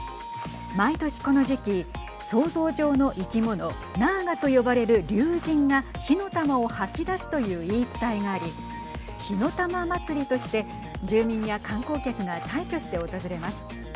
毎年この時期想像上の生き物ナーガと呼ばれる龍神が火の玉を吐きだすという言い伝えがあり火の玉祭りとして住民や観光客が大挙して訪れます。